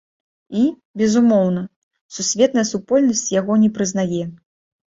І, безумоўна, сусветная супольнасць яго не прызнае.